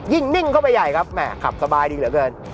นิ่งเข้าไปใหญ่ครับแห่ขับสบายดีเหลือเกิน